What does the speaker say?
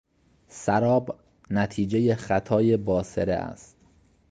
سراب نتیجهی خطای باصره است.